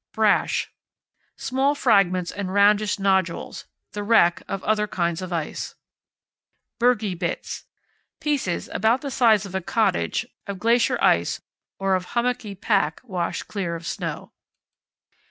Brash. Small fragments and roundish nodules; the wreck of other kinds of ice. Bergy Bits. Pieces, about the size of a cottage, of glacier ice or of hummocky pack washed clear of snow.